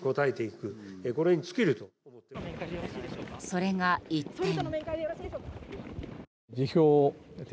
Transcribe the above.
それが一転。